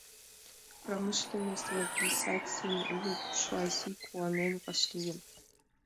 Промышленность мобилизацийым уло буржуазий куанен вашлийын...